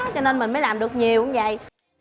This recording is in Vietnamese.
cho nên mình mới làm được nhiều cũng vậy